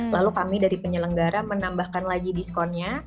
lalu kami dari penyelenggara menambahkan lagi diskonnya